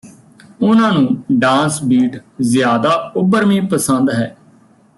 ਉਹਨਾਂ ਨੂੰ dance beat ਜ਼ਿਆਦਾ ਉਭਰਵੀਂ ਪਸੰਦ ਹੈ